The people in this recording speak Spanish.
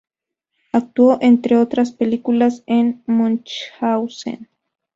Actuó, entre otras películas, en "Münchhausen".